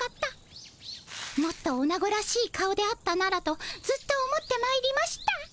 もっとオナゴらしい顔であったならとずっと思ってまいりました。